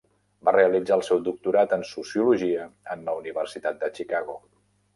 Va realitzar el seu doctorat en sociologia en la Universitat de Chicago.